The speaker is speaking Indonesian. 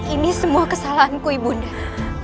ini semua kesalahanku ibu undah